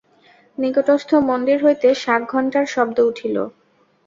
নিকটস্থ মন্দির হইতে শাঁখ ঘণ্টার শব্দ উঠিল।